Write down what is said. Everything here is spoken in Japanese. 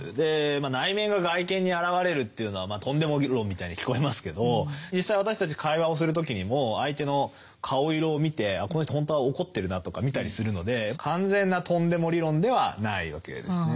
内面が外見に現れるというのはトンデモ理論みたいに聞こえますけど実際私たち会話をする時にも相手の顔色を見てあこの人ほんとは怒ってるなとか見たりするので完全なトンデモ理論ではないわけですね。